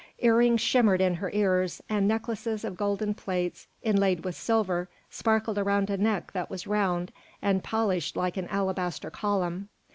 Earrings shimmered in her ears, and necklaces of golden plates inlaid with silver sparkled around a neck that was round and polished like an alabaster column.